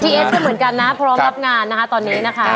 เอสก็เหมือนกันนะพร้อมรับงานนะคะตอนนี้นะคะ